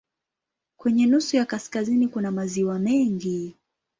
Kwenye nusu ya kaskazini kuna maziwa mengi.